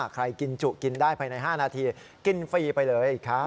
กินจุกินได้ภายใน๕นาทีกินฟรีไปเลยครับ